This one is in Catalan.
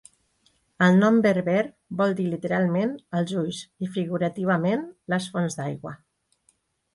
El nom berber vol dir literalment "els ulls" i figurativament "les fonts d'aigua".